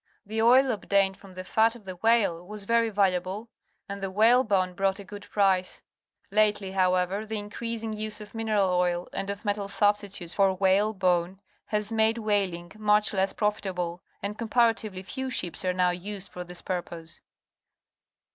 The oil obtained from the fat of the whale was very valuable, and the whalebone brought a good price. Lately, however, the increasing use of mineral oil and of metal .substitutes for whalebone has made whaling much less A stranded Whale, Coast of British Columbia profitable, and comparatively few ships are now used for this purpose.